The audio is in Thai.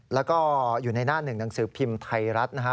แล้วก็อยู่ในหน้าหนึ่งหนังสือพิมพ์ไทยรัฐนะฮะ